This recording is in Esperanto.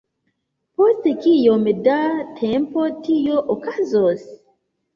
Post kiom da tempo tio okazos?